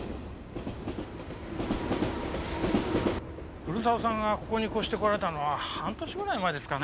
古沢さんがここに越してこられたのは半年ぐらい前ですかね。